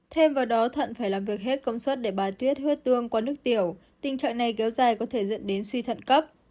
thêm vào đó thận phải làm việc hết công suất để bà tuyết huyết tương qua nước tiểu tình trạng này kéo dài có thể dẫn đến suy thận cấp